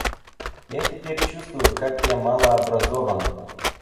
Я теперь чувствую, как я мало образован.